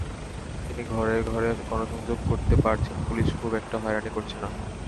তিনি ঘরে ঘরে গণসংযোগ করতে পারছেন, পুলিশ খুব একটা হয়রানি করছে না।